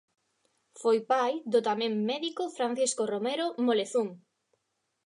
Foi pai do tamén médico Francisco Romero Molezún.